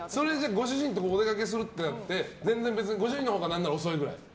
ご主人とお出かけするってなって全然別にご主人のほうが何なら遅いぐらい？